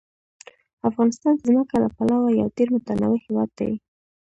افغانستان د ځمکه له پلوه یو ډېر متنوع هېواد دی.